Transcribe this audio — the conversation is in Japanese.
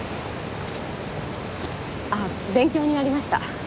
あっ勉強になりました。